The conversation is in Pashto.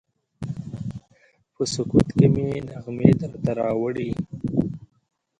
په سکوت کې مې نغمې درته راوړي